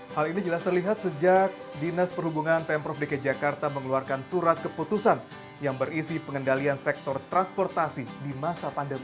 hal ini jelas terlihat sejak dinas perhubungan pemprov dki jakarta mengeluarkan surat keputusan yang berisi pengendalian sektor transportasi di masa pandemi